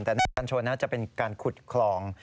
แต่ในการชนจะเป็นการขุดคลอง